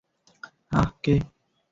আহ, কে?